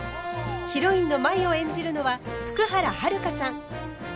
ヒロインの舞を演じるのは福原遥さん。